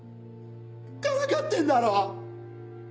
からかってんだろ？